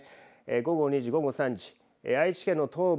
午後２時、午後３時愛知県の東部